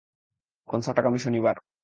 Concert আগামী শনিবার।